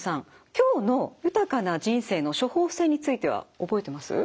今日の豊かな人生の処方せんについては覚えてます？